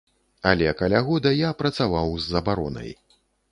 Але каля года я працаваў з забаронай.